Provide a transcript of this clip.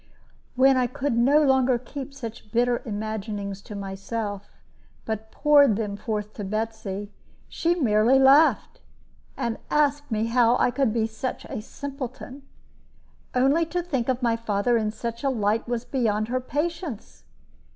When I could no longer keep such bitter imaginings to myself, but poured them forth to Betsy, she merely laughed, and asked me how I could be such a simpleton. Only to think of my father in such a light was beyond her patience!